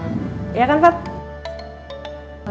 iyiche kirte ini berapa orang the whole time listernya ya nggak